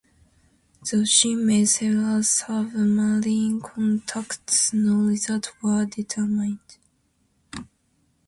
Though she made several submarine contacts, no results were determined.